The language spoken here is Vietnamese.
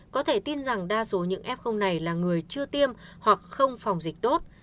có thể tin rằng đa số những f này là người chưa tiêm hoặc không phòng dịch tốt